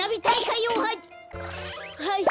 はい！